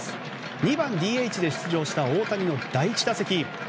２番ＤＨで出場した大谷の第１打席。